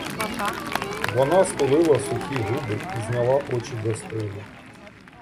Вона стулила сухі губи і зняла очі до стелі!